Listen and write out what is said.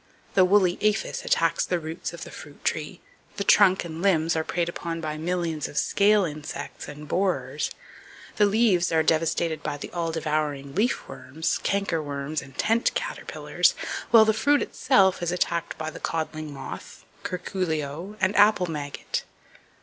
The woolly aphis attacks the roots of the fruit tree, the trunk and limbs are preyed upon by millions of scale insects and borers, the leaves are devastated by the all devouring leaf worms, canker worms and tent caterpillars, while the fruit itself is attacked by the codling moth, curculio and apple maggot.